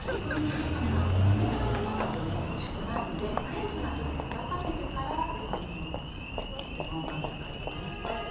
冷たいままだとおいしくないのでレンジなどで温めてからチリコンカーン使ってください。